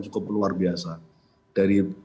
cukup luar biasa dari